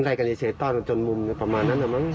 ไล่กันให้เฉยต้อนเหมาะจนมุมประมาณนั้นเหรอมั้ง